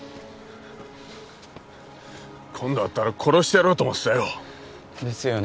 今度会ったら殺してやろうと思ってたよですよね